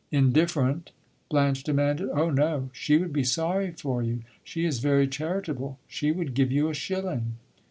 "Indifferent?" Blanche demanded. "Oh no, she would be sorry for you. She is very charitable she would give you a shilling!"